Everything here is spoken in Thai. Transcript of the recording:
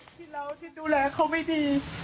ที่เราที่ดูแลเขาไม่ดี